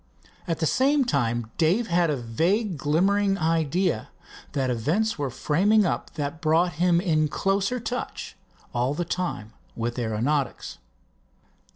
At the same time, Dave had a vague glimmering idea that events were framing up that brought him in closer touch all the time with aeronautics.